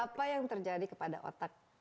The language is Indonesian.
apa yang terjadi kepada otak